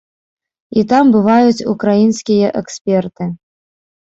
І там бываюць украінскія эксперты.